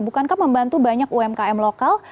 bukankah membantu banyak umkm lokal